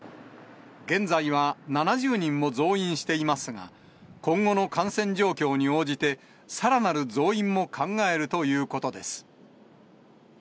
現在は７０人を増員していますが、今後の感染状況に応じて、さらなる増員も考えるということです。